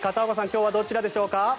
今日はどちらでしょうか？